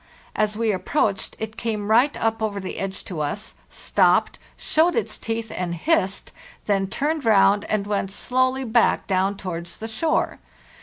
As we approached, it came right up over the edge to us, stopped, showed its teeth, and hissed, then turned round and went slow ly back down towards the shore.